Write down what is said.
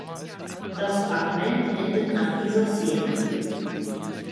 Das Fragment endet nach dieser Szene.